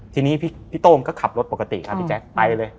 ทีนี้พี่โต้งก็ขับรถปกติครับพี่แจ๊คไปเลย